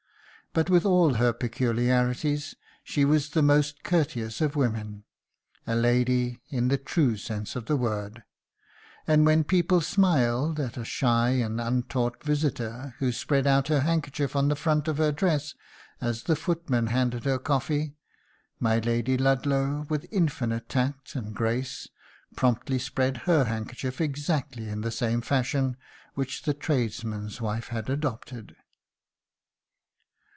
But, with all her peculiarities, she was the most courteous of women a lady in the true sense of the word and when people smiled at a shy and untaught visitor who spread out her handkerchief on the front of her dress as the footman handed her coffee, my Lady Ludlow with infinite tact and grace promptly spread her handkerchief exactly in the same fashion which the tradesman's wife had adopted.